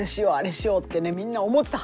みんな思ってたはず！